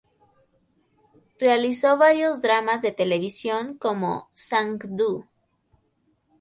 Realizó varios dramas de televisión, como "Sang Doo!